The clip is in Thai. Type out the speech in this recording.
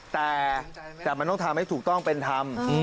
แต่มันต้องทำให้ถูกต้องเป็นธรรม